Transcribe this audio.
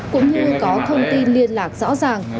cũng như có thông tin liên lạc rõ ràng